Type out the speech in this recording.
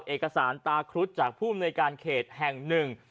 เอกสารตาครุฑจากผู้อำนวยการเขตแห่งหนึ่ง